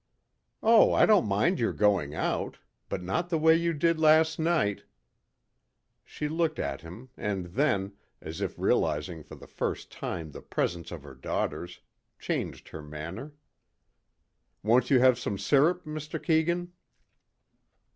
"Oh, I don't mind your going out. But not the way you did last night." She looked at him and then, as if realizing for the first time the presence of her daughters, changed her manner. "Won't you have some syrup, Mr. Keegan."